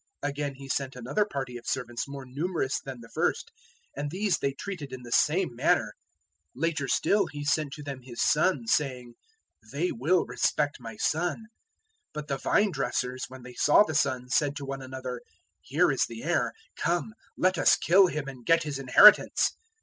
021:036 Again he sent another party of servants more numerous than the first; and these they treated in the same manner. 021:037 Later still he sent to them his son, saying, "`They will respect my son.' 021:038 "But the vine dressers, when they saw the son, said to one another, "`Here is the heir: come, let us kill him and get his inheritance.'